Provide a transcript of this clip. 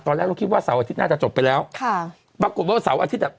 เราคิดว่าเสาร์อาทิตย์น่าจะจบไปแล้วค่ะปรากฏว่าเสาร์อาทิตย์อ่ะ